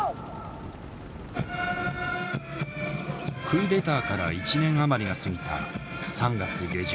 クーデターから１年余りが過ぎた３月下旬。